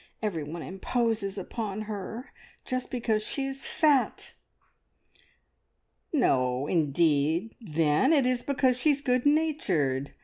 Everyone imposes upon her, just because she is fat!" "No, indeed, then, it is because she's good natured.